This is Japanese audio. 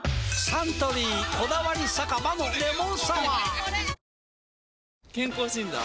サントリー「こだわり酒場のレモンサワー」健康診断？